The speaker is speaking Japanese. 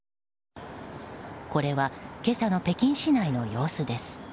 これは今朝の北京市内の様子です。